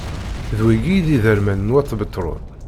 D wigi i d iderman n wat Betṛun.